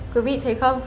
quý vị thấy không